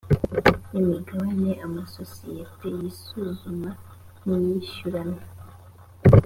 n imigabane amasosiyete y isuzuma n iyishyurana